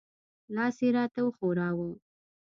لاس یې را ته وښوراوه.